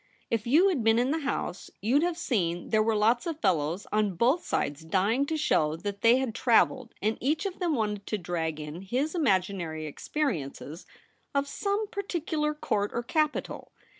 If you had been in the House you'd have seen there were lots of fellows on both sides dying to show that they had travelled, and each of them wanted to drag in his imaginary experiences of some particular court or capital.